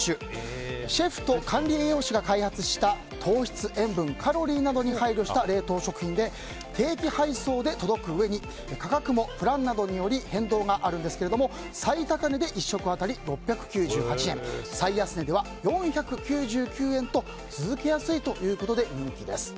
シェフと管理栄養士が開発した糖分、塩分、カロリーなどに配慮した冷凍食品で定期配送で届くうえに価格もプランなどにより変動があるんですけれども最高値で１食当たり６９８円、最安値では４９９円と続けやすいということで人気です。